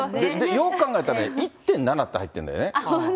よく考えたら、１．７って入ってるんだよね。